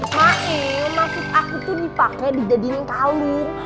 mail maksud aku tuh dipakai di jadinya kalung